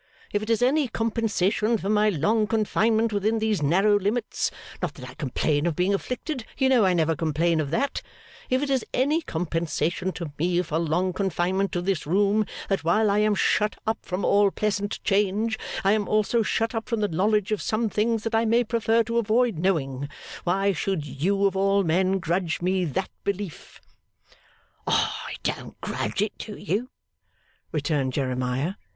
If it is any compensation for my long confinement within these narrow limits not that I complain of being afflicted; you know I never complain of that if it is any compensation to me for long confinement to this room, that while I am shut up from all pleasant change I am also shut up from the knowledge of some things that I may prefer to avoid knowing, why should you, of all men, grudge me that belief?' 'I don't grudge it to you,' returned Jeremiah.